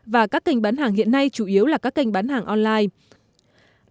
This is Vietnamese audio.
và các kênh bán hàng hiện nay chủ yếu là các kênh bán hàng online